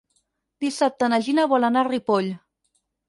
Dissabte na Gina vol anar a Ripoll.